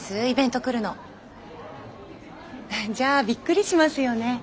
イベント来るの。じゃあびっくりしますよね？